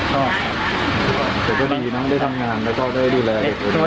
แต่ก็ดีน้องได้ทำงานและก็ได้ดูแล